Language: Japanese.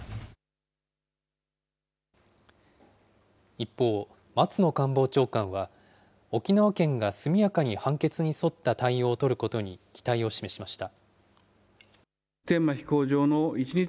一方、松野官房長官は、沖縄県が速やかに判決に沿った対応を取ることに期待を示しました。